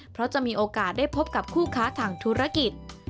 เพราะจะมีโอกาสได้พบกับคู่ค้าทางธุรกิจ